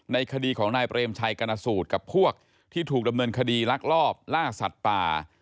คดีของนายเปรมชัยกรณสูตรกับพวกที่ถูกดำเนินคดีลักลอบล่าสัตว์ป่า